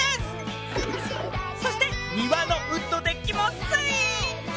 そして庭のウッドデッキもついに。